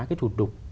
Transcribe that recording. cái thủ tục